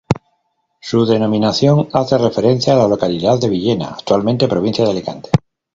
Su denominación hace referencia a la localidad de Villena, actualmente provincia de Alicante.